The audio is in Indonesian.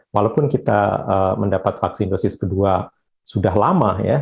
walaupun kita mendapat vaksin dosis kedua sudah lama ya